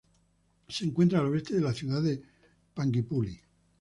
Se encuentra al oeste de la ciudad de Panguipulli.